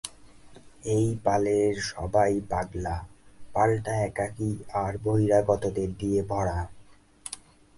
এই পালের সবাই পাগলা, পালটা একাকী আর বহিরাগতদের দিয়ে ভরা।